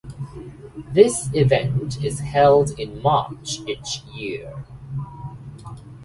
This event is held in March each year.